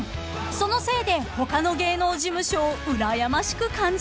［そのせいで他の芸能事務所をうらやましく感じるように］